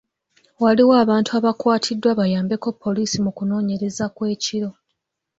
Waliwo abantu abakwatiddwa bayambeko poliisi mu kunoonyereza kw’eriko.